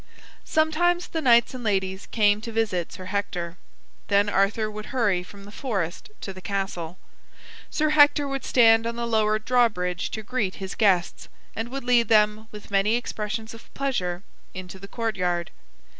Sometimes the knights and ladies came to visit Sir Hector. Then Arthur would hurry from the forest to the castle. Sir Hector would stand on the lowered drawbridge to greet his guests, and would lead them, with many expressions of pleasure, into the courtyard.